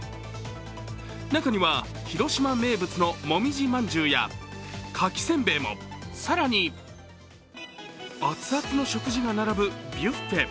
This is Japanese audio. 中には広島名物のもみじまんじゅうやかきせんべいも、更に熱々の食事が並ぶビュッフェ。